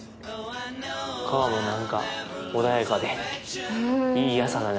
川も何か穏やかでいい朝だね